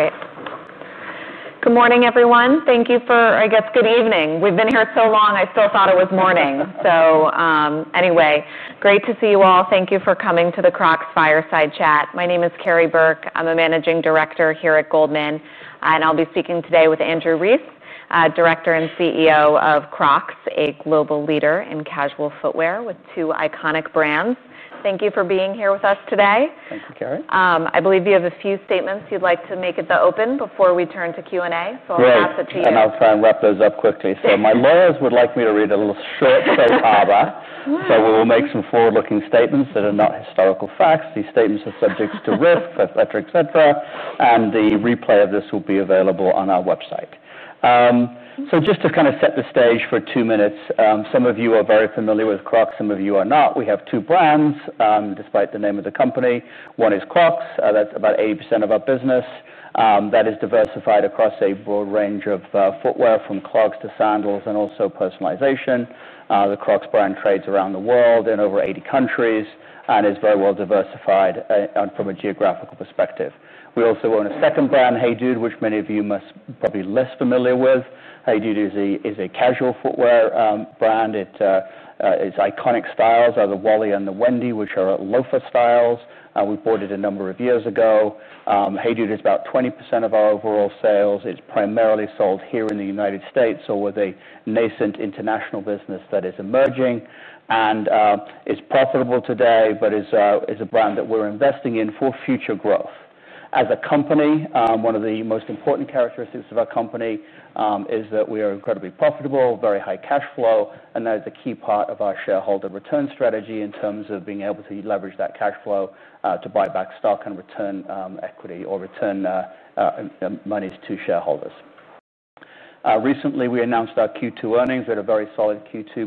Great. Good morning, everyone. Thank you for I guess, good evening. We've been here so long, I still thought it was morning. So anyway, great to see you all. Thank you for coming to the Crocs Fireside Chat. My name is Carrie Burke. I'm a Managing Director here at Goldman. And I'll be speaking today with Andrew Reif, Director and CEO of Crocs, a global leader in casual footwear with two iconic brands. Thank you for being here with us today. Thank you, Carrie. I believe you have a few statements you'd like to make at the open before we turn to Q I'll Great. Pass it to And I'll try and wrap those up quickly. So my lawyers would like me to read a little short Safe Harbor. So we will make some forward looking statements that are not historical facts. These statements are subject to risk, etcetera, etcetera. And the replay of this will be available on our website. So just to kind of set the stage for two minutes, some of you are very familiar with Crocs, some of you are not. We have two brands, despite the name of the company. One is Crocs. That's about 80% of our business. That is diversified across a broad range of footwear from clogs to sandals and also personalization. The Crocs brand trades around the world in over 80 countries and is very well diversified from a geographical perspective. We also own a second brand, Hey Dude, which many of you must probably be less familiar with. Hey is a casual footwear brand. Its iconic styles are the Wally and the Wendy, which are loafer styles. We bought it a number of years ago. Hey Dude is about 20% of our overall sales. It's primarily sold here in The United States, so with a nascent international business that is emerging. And is profitable today, but is a brand that we're investing in for future growth. As a company, one of the most important characteristics of our company is that we are incredibly profitable, very high cash flow and that is a key part of our shareholder return strategy in terms of being able to leverage that cash flow to buy back stock and return equity or return monies to shareholders. Recently, we announced our Q2 earnings. We had a very solid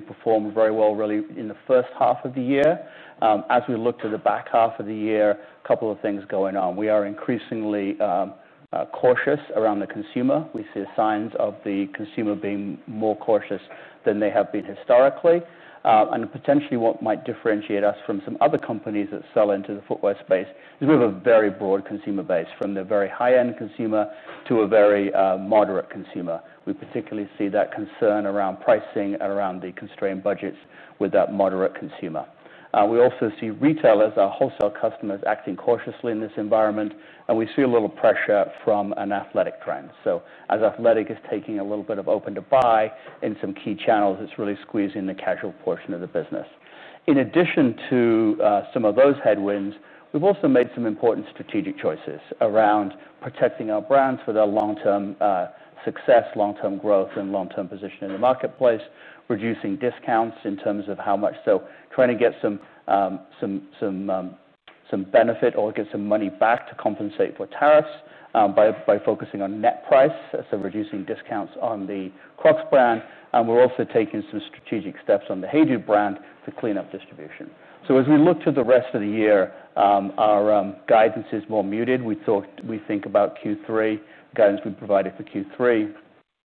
performed very well really in the first half of the year. As we look to the back half of the year, a couple of things going on. We are increasingly cautious around the consumer. We see signs of the consumer being more cautious than they have been historically. And potentially what might differentiate us from some other companies that sell into the footwear space is we have a very broad consumer base from the very high end consumer to a very moderate consumer. We particularly see that concern around pricing, around the constrained budgets with that moderate consumer. We also see retailers, our wholesale customers acting cautiously in this environment, and we see a little pressure from an athletic trend. So as athletic is taking a little bit of open to buy in some key channels, it's really squeezing the casual portion of the business. In addition to some of those headwinds, we've also made some important strategic choices around protecting our brands for their long term success, long term growth and long term position in the marketplace, reducing discounts in terms of how much so trying to get some benefit or get some money back to compensate for tariffs by focusing on net price, so reducing discounts on the Crocs brand. We're also taking some strategic steps on the Hadoop brand to clean up distribution. So as we look to the rest of the year, our guidance is more muted. We thought we think about Q3 guidance we provided for Q3.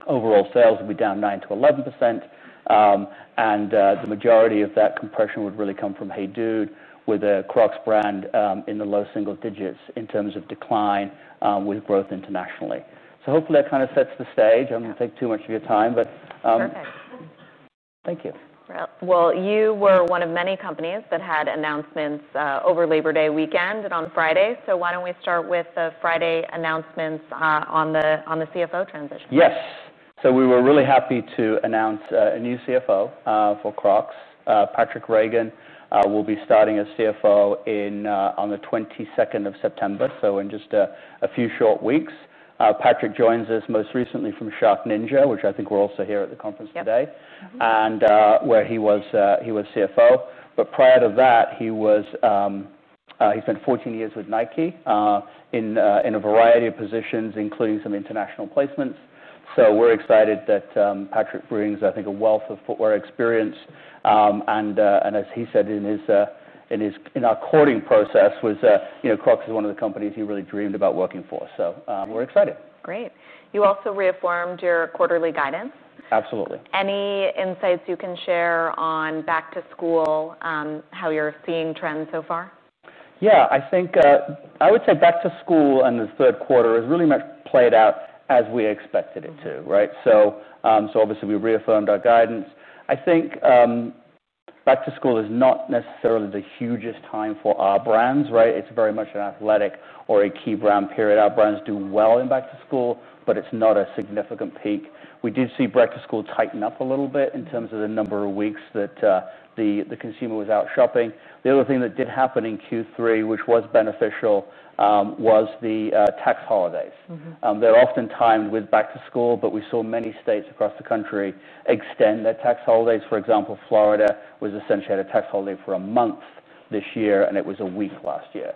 Overall sales will be down 9% to 11%. And the majority of that compression would really come from Hey Dude with the Crocs brand in the low single digits in terms of decline with growth internationally. So hopefully that kind of sets the stage. Don't want take too much of your time, but Perfect. Thank you. Well, you were one of many companies that had announcements over Labor Day weekend and on Friday. So why don't we start with the Friday announcements on the CFO transition? Yes. So we were really happy to announce a new CFO for Crocs, Patrick Reagan. We'll be starting as CFO in on the September 22, so in just a few short weeks. Patrick joins us most recently from Shark Ninja, which I think we're also here at the conference and where he was CFO. But prior to that, he was he spent fourteen years with Nike in a variety of positions, including some international placements. So we're excited that Patrick brings, I think, a wealth of footwear experience. And as he said in his in our courting process was Crocs is one of the companies he really dreamed about working for. So we're excited. Great. You also reaffirmed your quarterly guidance? Absolutely. Any insights you can share on back to school, how you're seeing trends so far? Yes. I think I would say back to school in the third quarter has really much played out as we expected it to, right? So obviously, we reaffirmed our guidance. I think back to school is not necessarily the hugest time for our brands, right? It's very much an athletic or a key brand period. Our brands do well in back to school, but it's not a significant peak. We did see back to school tighten up a little bit in terms of the number of weeks that the consumer was out shopping. The other thing that did happen in Q3, which was beneficial, was the tax holidays. They're often timed with back to school, but we saw many states across the country extend their tax holidays. For example, Florida was essentially had a tax holiday for a month this year and it was a week last year.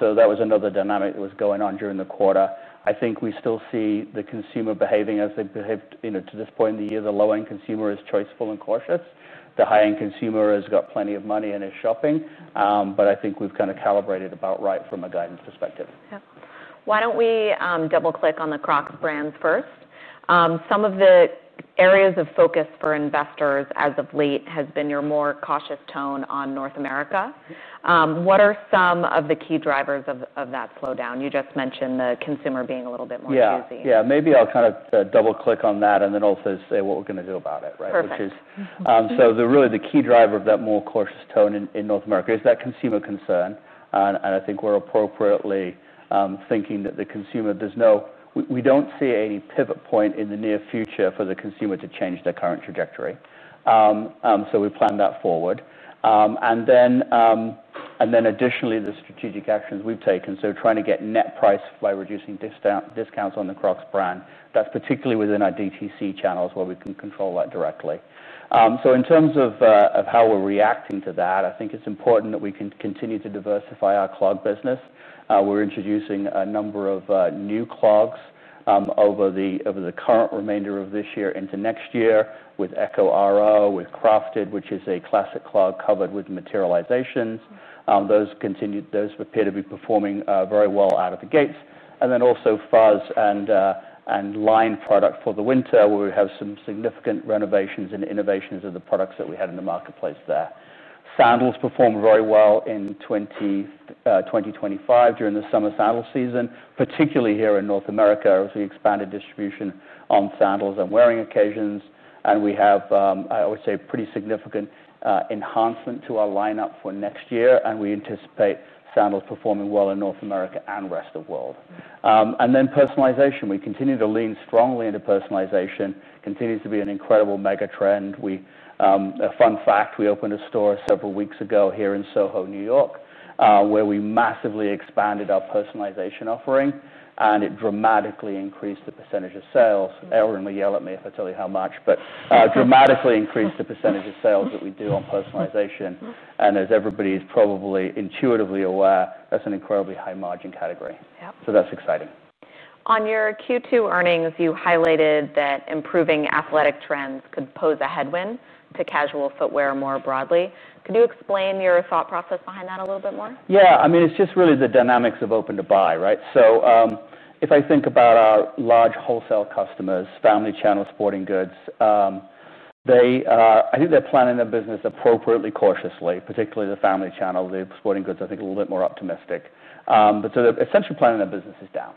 So that was another dynamic that was going on during the quarter. I think we still see the consumer behaving as they've behaved to this point in the year. The low end consumer is choiceful and cautious. The high end consumer has got plenty of money and is shopping. But I think we've kind of calibrated about right from a guidance perspective. Yes. Why don't we double click on the Crocs brands first? Some of the areas of focus for investors as of late has been your more cautious tone on North America. What are some of the key drivers of that slowdown? You just mentioned the consumer being a little bit Maybe I'll kind of double click on that and then also say what we're going to do about it, right? Perfect. So really the key driver of that more cautious tone in North America is that consumer concern. And I think we're appropriately thinking that the consumer there's no we don't see a pivot point in the near future for the consumer to change their current trajectory. We plan that forward. And then additionally, the strategic actions we've taken, so trying to get net price by reducing discounts on the Crocs brand, that's particularly within our DTC channels where we can control that directly. So in terms of how we're reacting to that, I think it's important that we can continue to diversify our clog business. We're introducing a number of new clogs over the current remainder of this year into next year with Echo RO, with Crafted, which is a classic clog covered with materializations. Those continued those appear to be performing very well out of the gates. And then also Fuzz and Line product for the winter, where we have some significant renovations and innovations of the products that we had in the marketplace there. Sandals performed very well in 2025 during the summer sandal season, particularly here in North America as we expanded distribution on sandals and wearing occasions. And we have, I would say, significant enhancement to our lineup for next year, and we anticipate sandals performing well in North America and Rest Of World. And then personalization, we continue to lean strongly into personalization, continues to be an incredible megatrend. We a fun fact, we opened a store several weeks ago here in SoHo, New York, where we massively expanded our personalization offering, and it dramatically increased the percentage of sales. Erin will yell at me if I tell you how much, but dramatically increase the percentage of sales that we do on personalization. And as everybody is probably intuitively aware, that's an incredibly high margin category. So that's exciting. On your Q2 earnings, you highlighted that improving athletic trends could pose a headwind to casual footwear more broadly. Could you explain your thought process behind that a little bit more? Yes. I mean, it's just really the dynamics of open to buy, right? So if I think about our large wholesale customers, Family Channel, Sporting Goods, They I think they're planning their business appropriately cautiously, particularly the Family Channel, the Sporting Goods, I think a little bit more optimistic. But so the essential plan in their business is down,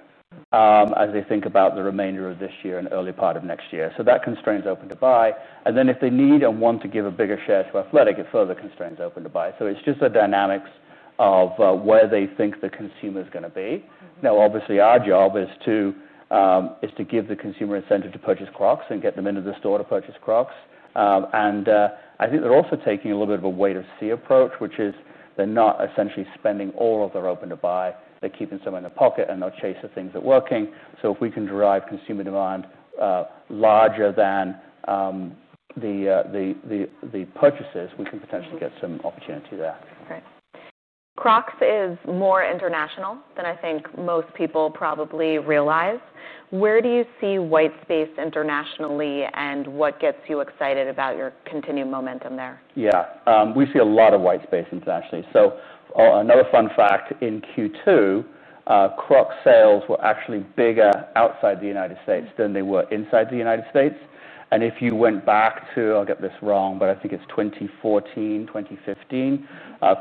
as they think about the remainder of this year and early part of next year. So that constrains Open to Buy. And then if they need and want to give a bigger share to athletic, it further constrains open to buy. So it's just the dynamics of where they think the consumer is going to be. Now obviously, our job is to give the consumer incentive to purchase Crocs and get them into the store to purchase Crocs. And I think they're also taking a little bit of a wait or see approach, which is they're not essentially spending all of their open to buy, they're keeping some in their pocket and not chasing things that are working. So if we can drive consumer demand larger than the purchases, we can potentially get some opportunity there. Crocs is more international than I think most people probably realize. Where do you see white space internationally? And what gets you excited about your continued momentum there? Yes. We see a lot of white space internationally. So another fun fact, in Q2, Crocs sales were actually bigger outside The United States than they were inside The United States. And if you went back to, I'll get this wrong, but I think it's 2014, 2015,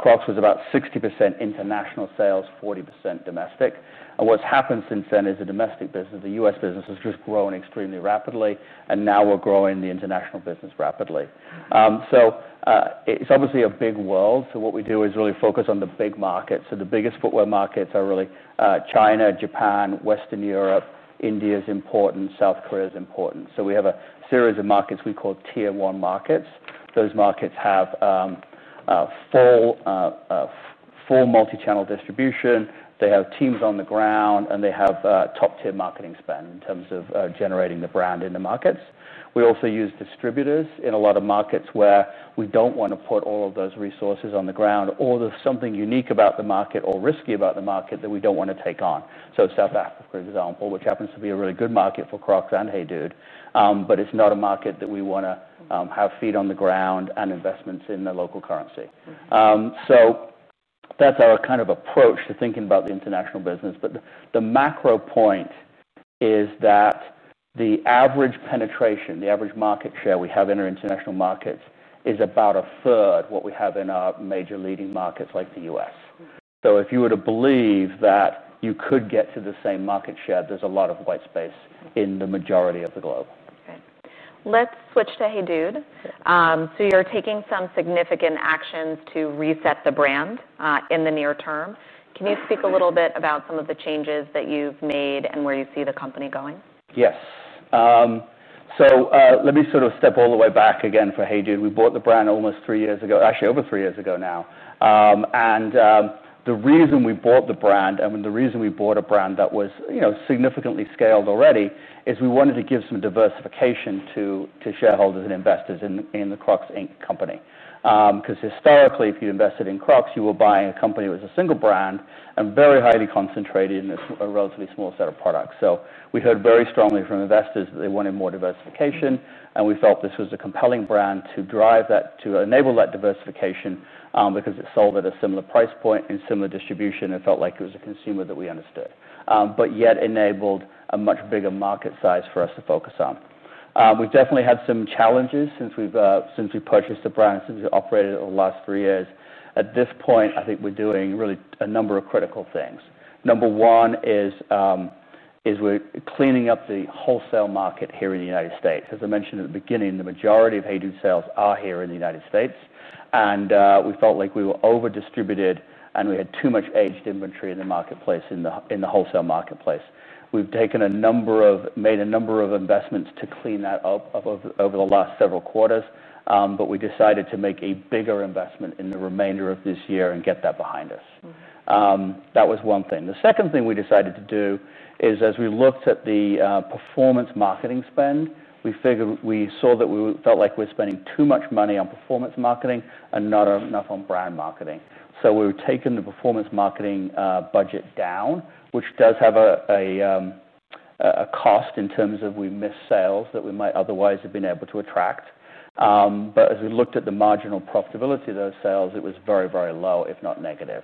Crocs was about 60% international sales, 40% domestic. And what's happened since then is the domestic business, The U. S. Business has just grown extremely rapidly, and now we're growing the international business rapidly. So it's obviously a big world. So what we do is really focus on the big markets. So the biggest footwear markets are really China, Japan, Western Europe, India is important, South Korea is important. So we have a series of markets we call Tier one markets. Those markets have full multichannel distribution. They have teams on the ground and they have top tier marketing spend in terms of generating the brand in the markets. We also use distributors in a lot of markets where we don't want to put all of those resources on the ground or there's something unique about the market or risky about the market that we don't want to take on. So South Africa, for example, which happens to be a really good market for Crocs and Hey Dude, but it's not a market that we want to have feet on the ground and investments in the local currency. So that's our kind of approach to thinking about the international business. But the macro point is that the average penetration, the average market share we have in our international markets is about a third what we have in our major leading markets like The U. S. So if you were to believe that you could get to the same market share, there's a lot of white space in the majority of the globe. Okay. Let's switch to Hadood. So you're taking some significant actions to reset the brand in the near term. You speak a little bit about some of the changes that you've made and where you see the company going? Yes. So let me sort of step all the way back again for Hey Dude. We bought the brand almost three years ago actually over three years ago now. And the reason we bought the brand, I mean, the reason we bought a brand that was significantly scaled already is we wanted to give some diversification to shareholders and investors in the Crocs, Inc. Company. Because historically, if you invested in Crocs, you were buying a company with a single brand and very highly concentrated in a relatively small set of products. So we heard very strongly from investors that they wanted more diversification and we felt this was a compelling brand to drive that to enable that diversification because it sold at a similar price point and similar distribution. It felt like it was a consumer that we understood, but yet enabled a much bigger market size for us to focus on. We've definitely had some challenges since we've purchased the brand, since we operated over the last three years. At this point, I think we're doing really a number of critical things. Number one is we're cleaning up the wholesale market here in The United States. As I mentioned at the beginning, the majority of Hadoop sales are here in The United States. And we felt like we were over distributed and we had too much aged inventory in the marketplace in the wholesale marketplace. We've taken a number of made a number of investments to clean that up over the last several quarters, but we decided to make a bigger investment in the remainder of this year and get that behind That was one thing. The second thing we decided to do is as we looked at the performance marketing spend, we figured we saw that we felt like we're spending too much money on performance marketing and not enough on brand marketing. So we've taken the performance marketing budget down, which does have a cost in terms of we missed sales that we might otherwise have been able to attract. But as we looked at the marginal profitability of those sales, it was very, very low, if not negative.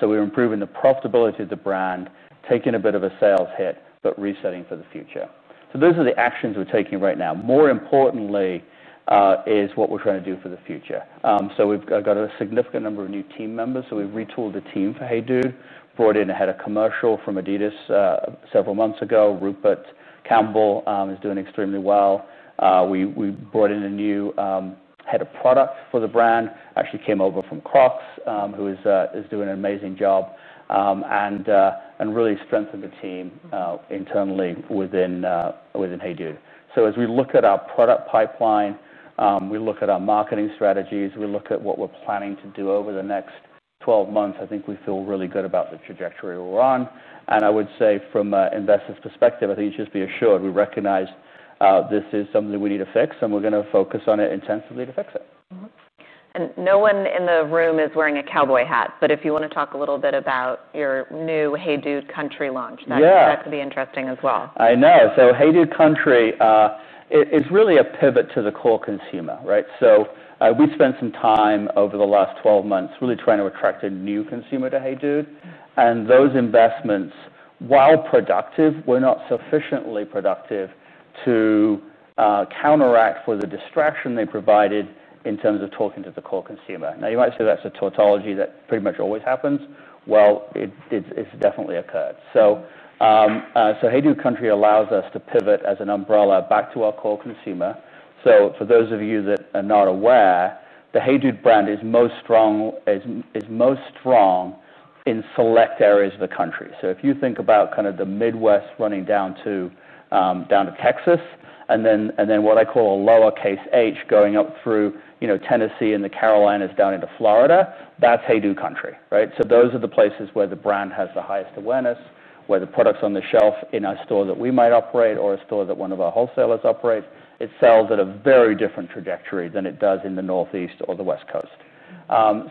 So we're improving the profitability of the brand, taking a bit of a sales hit, but resetting for the future. So those are the actions we're taking right now. More importantly is what we're trying to do for the future. So we've got a significant number of new team members. So we've retooled the team for Hadoo, brought in a Head of Commercial from Adidas several months ago, Rupert Campbell is doing extremely well. We brought in a new Head of Product for the brand, actually came over from Crocs, who is doing an amazing job and really strengthened the team internally within Heydude. So as we look at our product pipeline, we look at our marketing strategies, we look at what we're planning to do over the next twelve months, I think we feel really good about the trajectory we're on. And I would say from an investor's perspective, I think just be assured, we recognize this is something we need to fix, and we're going to focus on it intensively to fix it. And no one in the room is wearing a cowboy hat. But if you want to talk a little bit about your new Hey Dude Country launch, that Yes. Could be interesting as I know. So Hey Dude Country it's really a pivot to the core consumer, right? So we spent some time over the last twelve months really trying to attract a new consumer to Hey Dude. And those investments, while productive, were not sufficiently productive to counteract for the distraction they provided in terms of talking to the core consumer. Now you might say that's a tautology that pretty much always happens. Well, it's definitely occurred. So Hey Dude Country allows us to pivot as an umbrella back to our core consumer. So for those of you that are not aware, the Hey Dude brand is most strong in select areas of the country. So if you think about kind of the Midwest running down to Texas and then what I call a lowercase h going up through Tennessee and the Carolinas down into Florida, that's Hey Do Country, right? So those are the places where the brand has the highest awareness, where the products on the shelf in our stores that we might operate or a store that one of our wholesalers operate, it sells at a very different trajectory than it does in the Northeast or the West Coast.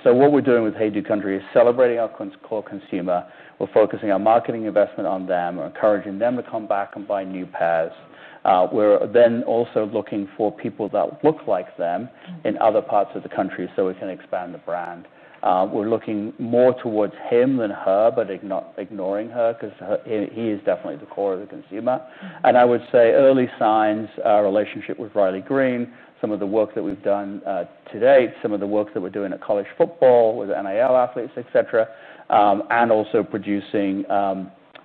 So what we're doing with Hey Do Country is celebrating our core consumer. We're focusing our marketing investment on them, encouraging them to come back and buy new pairs. We're then also looking for people that look like them in other parts of the country so we can expand the brand. We're looking more towards him than her, but ignoring her because he is definitely the core of the consumer. And I would say early signs, our relationship with Riley Green, some of the work that we've done today, some of the work that we're doing at college football with NIL athletes, etcetera, and also producing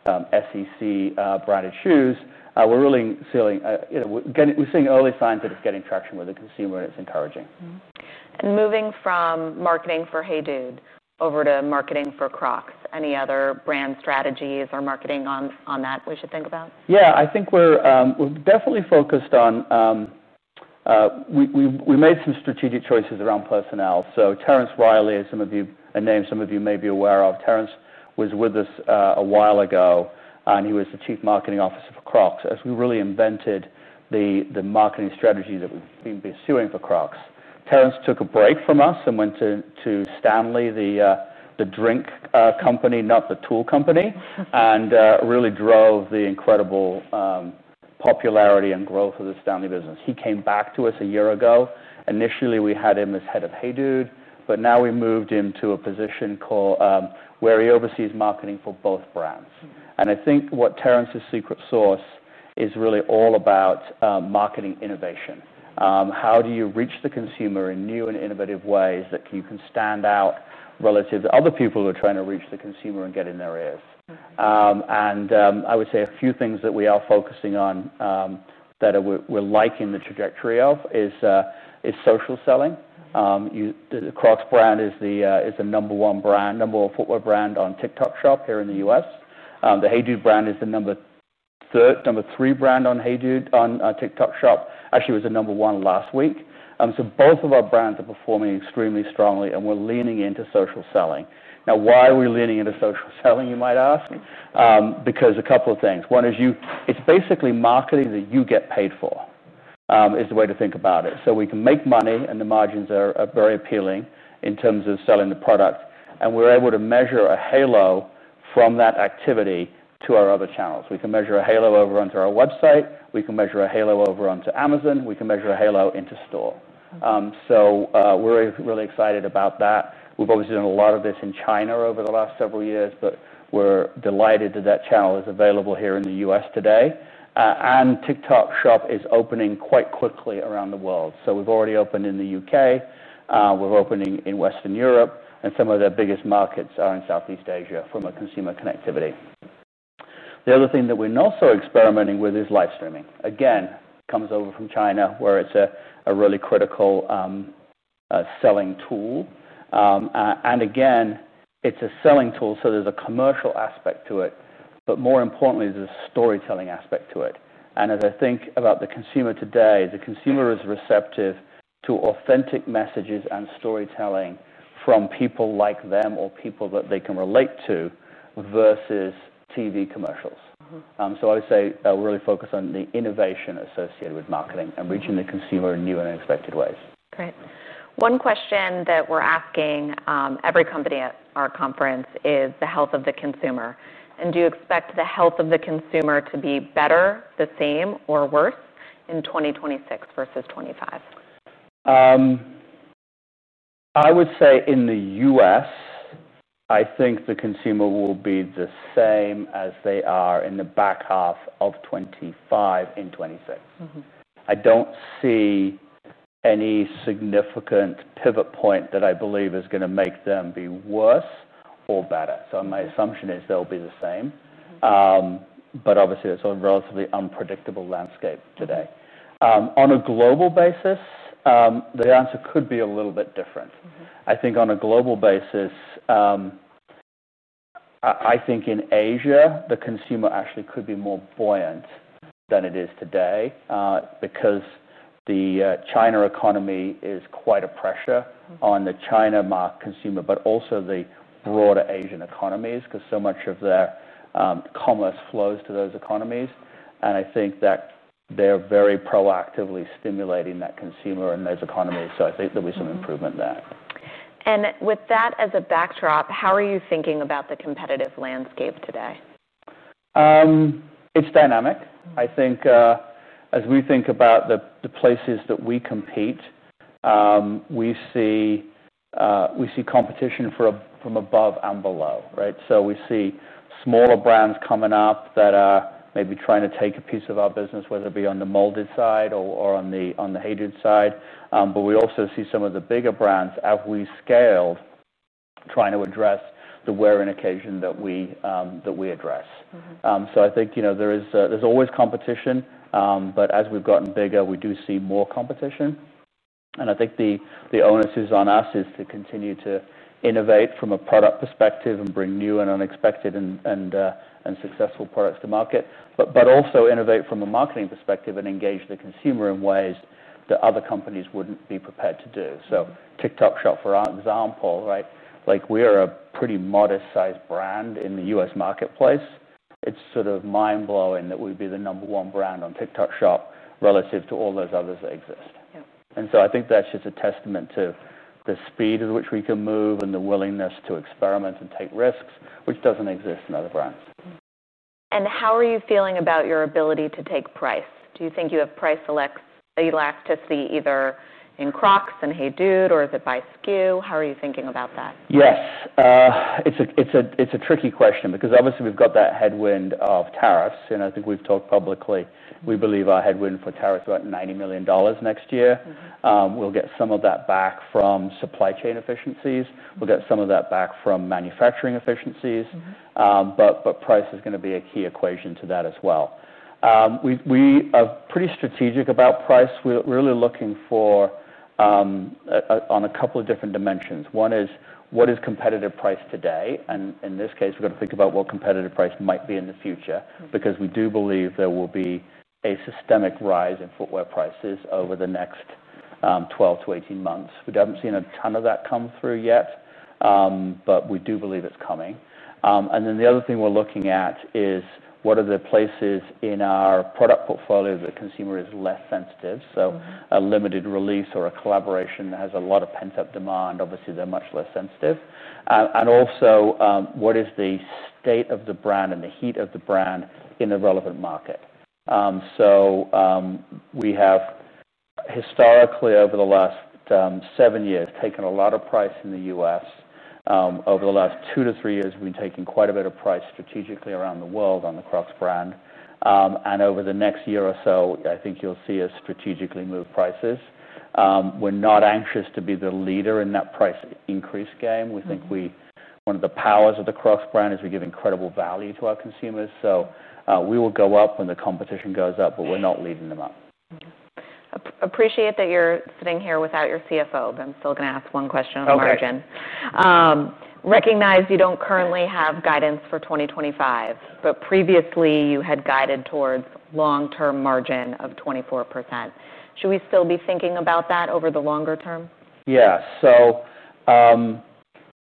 SEC branded shoes, we're really feeling we're seeing early signs that it's getting traction with the consumer and it's encouraging. And moving from marketing for Hey Dude over to marketing for Crocs, any other brand strategies or marketing on that we should think about? Yes. I think we're definitely focused on we made some strategic choices around personnel. So Terence Riley, as some of you a name some of you may be aware of, Terence was with us a while ago and he was the Chief Marketing Officer for Crocs as we really invented the marketing strategy that we've been pursuing for Crocs. Terence took a break from us and went to Stanley, the drink company, not the tool company, and really drove the incredible popularity and growth of the Stanley business. He came back to us a year ago. Initially, we had him as Head of Hey Dude, but now we moved him to a position called where he oversees marketing for both brands. And I think what Terence's secret sauce is really all about marketing innovation. How do you reach the consumer in new and innovative ways that you can stand out relative to other people who are trying to reach the consumer and get in their ears. And I would say a few things focusing on that we're liking the trajectory of is social selling. The Crocs brand is the number one brand, number one footwear brand on TikTok shop here in The U. S. The Hey Dude brand is the number three brand on Hey Dude on TikTok Shop, actually was the number one last week. So both of our brands are performing extremely strongly and we're leaning into social selling. Now why are we leaning into social selling, you might ask? Because a couple of things. One is you it's basically marketing that you get paid for is the way to think about it. So we can make money and the margins are very appealing in terms of selling the product. And we're able to measure a halo from that activity to our other channels. We can measure a halo over onto our website. We can measure a halo over onto Amazon. We can measure a halo into store. So we're really excited about that. We've obviously done a lot of this in China over the last several years, but we're delighted that, that channel is available here in The U. S. Today. And TikTok Shop is opening quite quickly around the world. So we've already opened in The UK. We're opening in Western Europe. Some of the biggest markets are in Southeast Asia from a consumer connectivity. The other thing that we're also experimenting with is live streaming. Again, comes over from China, where it's a really critical selling tool. And again, it's a selling tool, so there's a commercial aspect to it. But more importantly, there's a storytelling aspect to it. And as I think about the consumer today, the consumer is receptive to authentic messages and storytelling from people like them or people that they can relate to versus TV commercials. So I would say really focus on the innovation associated with marketing and reaching the consumer in new and unexpected ways. Great. One question that we're asking every company at our conference is the health of the consumer. And do you expect the health of the consumer to be better, the same or worse in 2026 versus 2025? I would say in The U. S, I think the consumer will be the same as they are in the back half of 2025 and 2026. I don't see any significant pivot point that I believe is going to make them be worse or better. So my assumption is they'll be the same. But obviously, it's a relatively unpredictable landscape today. On a global basis, the answer could be a little bit different. I think on a global basis, I think in Asia, the consumer actually could be more buoyant than it is today, because the China economy is quite a pressure on the China consumer, but also the broader Asian economies, because so much of their commerce flows to those economies. And I think that they're very proactively stimulating that consumer in those economies. So I think there'll be some improvement there. And with that as a backdrop, how are you thinking about the competitive landscape today? It's dynamic. I think as we think about the places that we compete, we see competition from above and below, right? So we see smaller brands coming up that are maybe trying to take a piece of our business, whether it be on the molded side or on the hated side. But we also see some of the bigger brands as we scaled, trying to address the wear in occasion that we address. So I think there's always competition, but as we've gotten bigger, we do see more competition. And I think the onus is on us is to continue to innovate from a product perspective and bring new and unexpected and successful products to market, but also innovate from a marketing perspective and engage the consumer in ways that other companies wouldn't be prepared to do. So TikTok Shop, for example, right, like we are a pretty modest sized brand in The U. S. Marketplace. It's sort of mind blowing that we'd be the number one brand on TikTok Shop relative to all those others that exist. And so I think that's just a testament to the speed at which we can move and the willingness to experiment and take risks, which doesn't exist in other brands. And how are you feeling about your ability to take price? Do you think you have price selects that you'd like to see either in Crocs and Hey Dude or is it by SKU? How are you thinking about that? Yes. It's a tricky question because obviously, we've got that headwind of tariffs. And I think we've talked publicly, we believe our headwind for tariffs are about $90,000,000 next year. We'll get some of that back from supply chain efficiencies. We'll get some of that back from manufacturing efficiencies. But price is going to be a key equation to that as well. We are pretty strategic about price. We're really looking for on a couple of different dimensions. One is what is competitive price today. And in this case, we're to think about what competitive price might be in the future, because we do believe there will be a systemic rise in footwear prices over the next twelve to eighteen months. We haven't seen a ton of that come through yet, but we do believe it's coming. And then the other thing we're looking at is what are the places in our product portfolio that consumer is less sensitive. So a limited release or a collaboration has a lot of pent up demand. Obviously, they're much less sensitive. And also, what is the state of the brand and the heat of the brand in the relevant market. So we have historically over the last seven years taken a lot of price in The U. S. Over the last two to three years, we've been taking quite a bit of price strategically around the world on the Cross brand. And over the next year or so, I think you'll see us strategically move prices. We're not anxious to be the leader in that price increase game. We think we one of the powers of the Crocs brand is we give incredible value to our consumers. So we will go up when the competition goes up, but we're not leading them up. Appreciate that you're sitting here without your CFO, but I'm still going to ask one question on margin. Recognize you don't currently for have 2025, but previously, you had guided towards long term margin of 24. Should we still be thinking about that over the longer term? Yes. So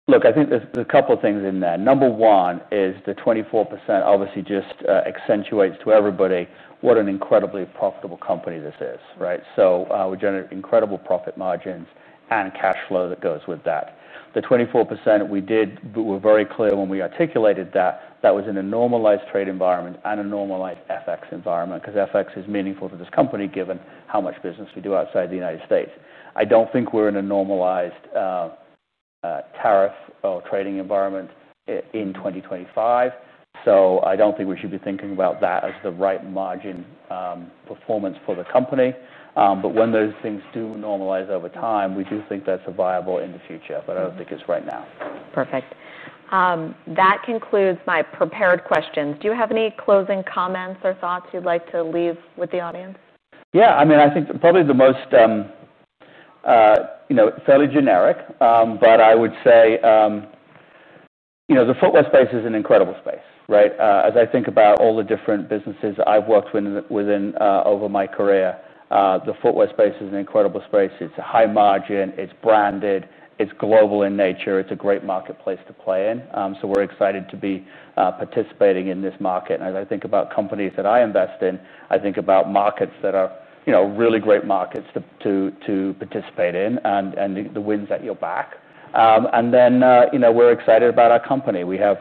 look, think there's a couple of things in that. Number one is the 24% obviously just accentuates to everybody what an incredibly profitable company this is, right? So we generate incredible profit margins and cash flow that goes with that. The 24% we did we were very clear when we articulated that, that was in a normalized trade environment and a normalized FX environment because FX is meaningful to this company given how much business we do outside The United States. I don't think we're in a normalized tariff or trading environment in 2025. So I don't think we should be thinking about that as the right margin performance for the company. But when those things do normalize over time, we do think that's viable in the future, but I don't think it's right now. Perfect. That concludes my prepared questions. Do you have any closing comments or thoughts you'd like to leave with the audience? Yes. I mean, think probably the most fairly generic, but I would say the footwear space is an incredible space, right? As I think about all the different businesses I've worked within over my career, the footwear space is an incredible space. It's a high margin, it's branded, it's global in nature, it's a great marketplace to play in. So we're excited to be participating in this market. And as I think about companies that I invest in, I think about markets that are really great markets to participate in and the wins at your back. And then we're excited about our company. We have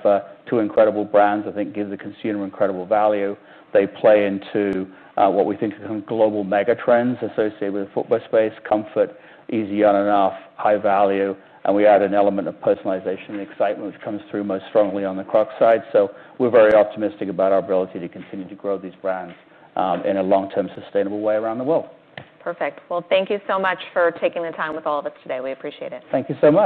two incredible brands, I think gives the consumer incredible value. They play into what we think is global megatrends associated with the footwear space, comfort, easy on and off, high value. And we add an element of personalization and excitement, which comes through most strongly on the Crocs side. So we're very optimistic about our ability to continue to grow these brands in a long term sustainable way around the world. Perfect. Well, thank you so much for taking the time with all of us today. We appreciate it. Thank you so much.